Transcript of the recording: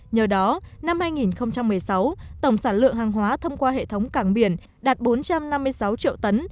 nhờ đó năm hai nghìn một mươi sáu tổng sản lượng hàng hóa thông qua hệ thống cảng biển đạt bốn trăm năm mươi sáu triệu tấn